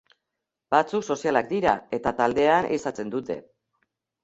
Batzuk sozialak dira eta taldean ehizatzen dute.